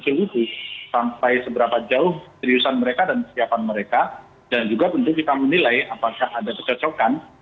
selisi sampai seberapa jauh seriusan mereka dan kesiapan mereka dan juga tentu kita menilai apakah ada kecocokan